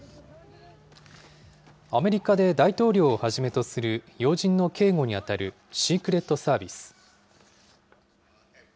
アメリカで大統領をはじめとする要人の警護に当たるシークレットサービス。